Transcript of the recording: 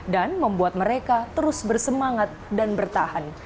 dan membuat mereka terus bersemangat dan bertahan